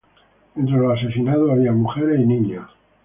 Entre los asesinados había mujeres y niños.